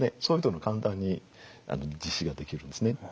そういうとこも簡単に実施ができるんですね。